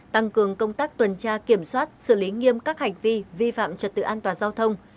tăng cường công tác tuần tra kiểm soát xử lý nghiêm các hành vi vi phạm trật tự an toàn giao thông